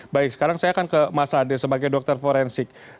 baik sekarang saya akan ke mas ade sebagai dokter forensik